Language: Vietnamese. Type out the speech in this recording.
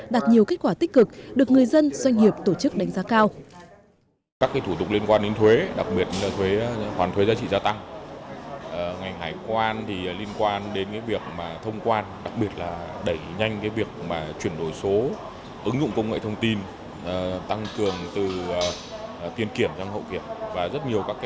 đạt nhiều kết quả tích cực được người dân doanh nghiệp tổ chức đánh giá cao